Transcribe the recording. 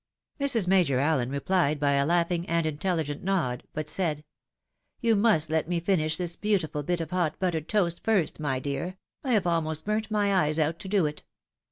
Mrs. Major Allen replied by a laughing and intelligent nod ; but said, " You must let me finish this beautiful bit of hot buttered toast first, my dear — I have almost burnt my eyes out to do it.